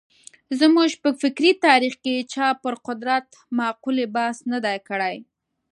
زموږ په فکري تاریخ کې چا پر قدرت مقولې بحث نه دی کړی.